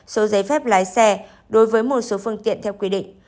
số giấy phép lái xe đối với một số phương tiện theo quy định